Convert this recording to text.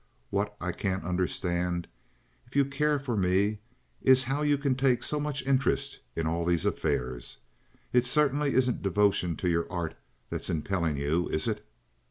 What I can't understand, if you care for me, is how you can take so much interest in all these affairs? It certainly isn't devotion to your art that's impelling you, is it?"